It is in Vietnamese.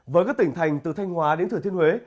với các tỉnh thành từ thanh hóa đến thừa thiên huế